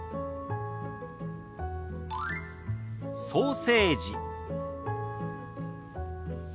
「ソーセージ」。